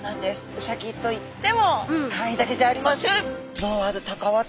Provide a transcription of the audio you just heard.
ウサギといってもかわいいだけじゃありません！